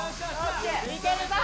いけるぞ！